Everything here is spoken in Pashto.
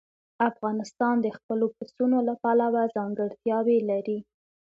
افغانستان د خپلو پسونو له پلوه ځانګړتیاوې لري.